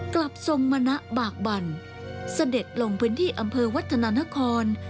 กลับทรงมณะบากบั่นเสด็จลงพื้นที่อำเภอวัฒนานคร